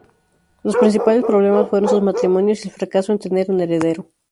Los principales problemas fuero sus matrimonios y el fracaso en tener un heredero.